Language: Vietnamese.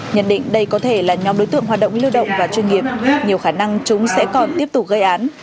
nhận định đây có thể là nhóm đối tượng hoạt động lưu động và chuyên nghiệp nhiều khả năng chúng sẽ còn tiếp tục gây án